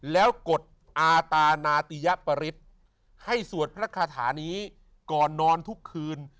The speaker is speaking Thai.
แล้วกดอาตานาติยปริศให้สวดพระคาถานี้ก่อนนอนทุกคืน